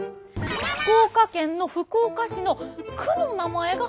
福岡県の福岡市の区の名前が博多なんです。